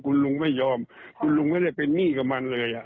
คุณลุงไม่ยอมคุณลุงไม่ได้เป็นหนี้กับมันเลยอ่ะ